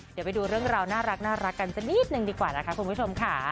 เดี๋ยวไปดูเรื่องราวน่ารักกันสักนิดนึงดีกว่านะคะคุณผู้ชมค่ะ